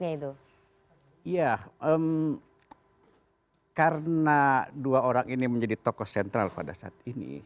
iya karena dua orang ini menjadi tokoh sentral pada saat ini